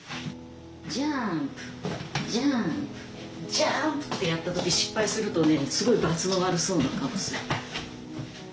ジャンプ！ってやった時失敗するとねすごいバツの悪そうな顔をする。